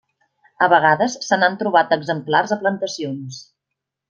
A vegades se n'han trobat exemplars a plantacions.